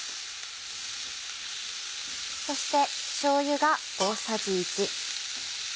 そしてしょうゆが大さじ１。